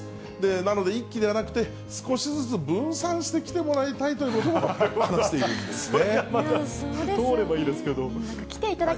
なので、一気ではなくて、少しずつ分散して来てもらいたいということを話しているんですね。